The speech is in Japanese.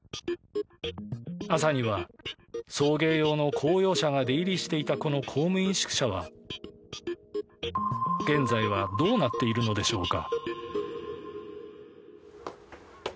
朝には送迎用の公用車が出入りしていたこの公務員宿舎は現在はどうなっているのでしょうか。